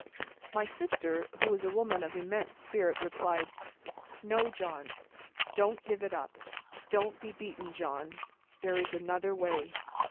My sister, who is a woman of immense spirit, replied, "No, John, don't give it up. Don't be beaten, John. There is another way."